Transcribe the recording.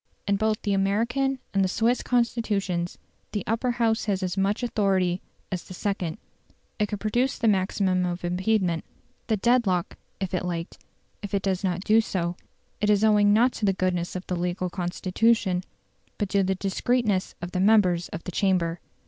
In both the American and the Swiss Constitutions the Upper House has as much authority as the second: it could produce the maximum of impediment the dead lock, if it liked; if it does not do so, it is owing not to the goodness of the legal constitution, but to the discreetness of the members of the Chamber.